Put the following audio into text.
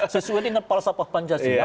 sesuai dengan palsapah pancasila